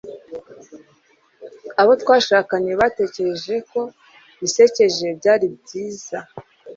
abo twashakanye batekereje ko bisekeje, byari byiza